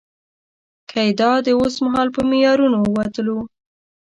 که يې د اوسمهال په معیارونو وتلو.